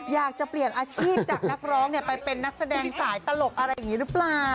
อยากจะเปลี่ยนอาชีพจากนักร้องไปเป็นนักแสดงสายตลกอะไรอย่างนี้หรือเปล่า